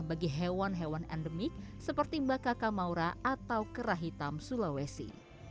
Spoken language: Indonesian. bagi hewan hewan endemik seperti mbak kaka maura atau kerah hitam sulawesi